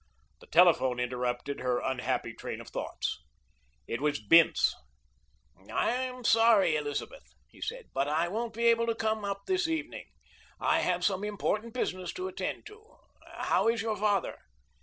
The telephone interrupted her unhappy train of thoughts. It was Bince. "I am sorry, Elizabeth," he said, "but I won't be able to come up this evening. I have some important business to attend to. How is your father?"